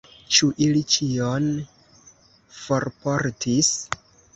Ĉu ili ĉion forportis?